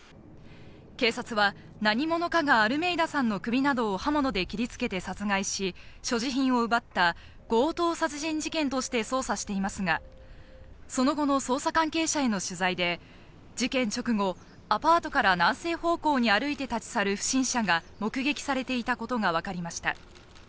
警察は何者かがアルメイダさんの首などを刃物で切りつけて殺害し、所持品を奪った強盗殺人事件として捜査していますが、その後の捜査関係者への取材で、事件直後、アパートから南西方向に歩いて立ち去る不審者が目撃されていたことがわかりました。